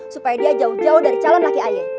supaya dia jauh jauh dari calon laki ayah